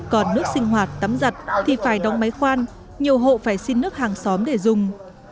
còn nước sinh hoạt tắm giặt thì phải đóng máy khoan nhiều hộ phải xin nước hàng xóm để dùng